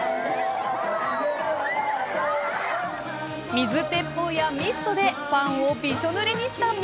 水鉄砲やミストでファンをびしょぬれにしたＭ！